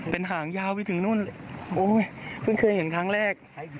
เป็นห่างยาวไปถึงนู่นโอ้ยเพิ่งเคยเห็นครั้งแรก